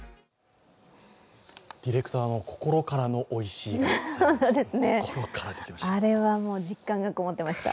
ディレクターの心からのおいしい、心から出ていました。